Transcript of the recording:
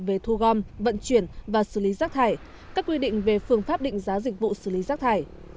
về thu gom vận chuyển và xử lý rác thải các quy định về phương pháp định giá dịch vụ xử lý rác thải